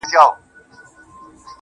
روغ زړه درواخله خدایه بیا یې کباب راکه.